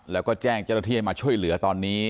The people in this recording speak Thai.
แล้วก็แจ้งเจ้าหน้าที่ให้มาช่วยเหลือตอนนี้